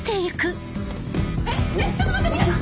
えっちょっと待って海音さん！